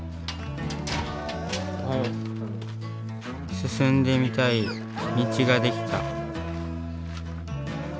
進んでみたい道ができた。